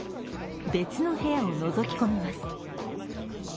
別の部屋をのぞき込みます。